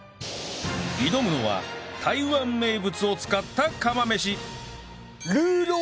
挑むのは台湾名物を使った釜飯はあ。